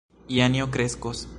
Janjo kreskos.